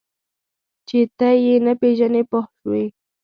چې ته یې نه پېژنې پوه شوې!.